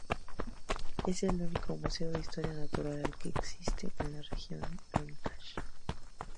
Es el único museo de historia natural que existe en la región Ancash.